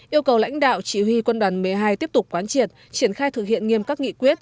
yêu cầu lãnh đạo chỉ huy quân đoàn một mươi hai tiếp tục quán triệt triển khai thực hiện nghiêm các nghị quyết